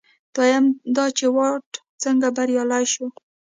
دویم دا چې واټ څنګه بریالی شو.